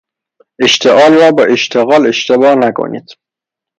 اشتعال را با اشتغال اشتباه نکنید